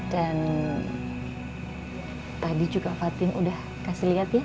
dan tadi juga fatin udah kasih lihat ya